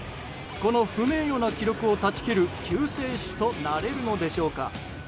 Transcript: この不名誉な記録を断ち切る救世主となれるのでしょうか。